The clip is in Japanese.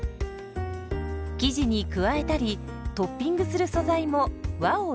生地に加えたりトッピングする素材も和を意識。